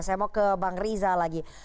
saya mau ke bang riza lagi